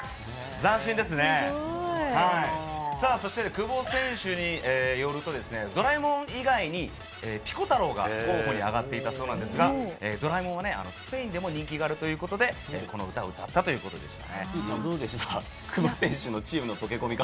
久保選手によると、ドラえもん以外にピコ太郎が候補に挙がっていたそうですが、『ドラえもん』はスペインでも人気があるということで、この歌を歌ったということでした。